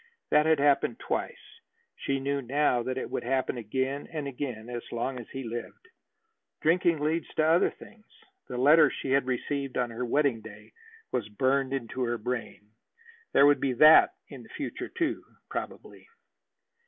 That had happened twice. She knew now that it would happen again and again, as long as he lived. Drinking leads to other things. The letter she had received on her wedding day was burned into her brain. There would be that in the future too, probably.